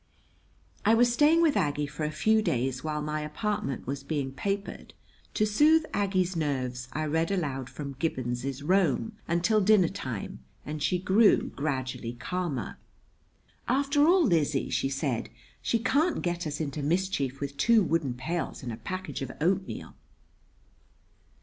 I was staying with Aggie for a few days while my apartment was being papered. To soothe Aggie's nerves I read aloud from Gibbon's "Rome" until dinner time, and she grew gradually calmer. "After all, Lizzie," she said, "she can't get us into mischief with two wooden pails and a package of oatmeal."